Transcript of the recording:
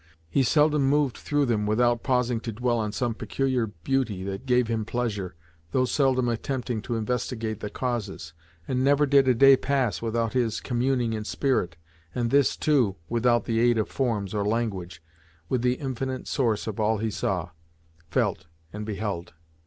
He seldom moved through them, without pausing to dwell on some peculiar beauty that gave him pleasure, though seldom attempting to investigate the causes; and never did a day pass without his communing in spirit, and this, too, without the aid of forms or language, with the infinite source of all he saw, felt, and beheld.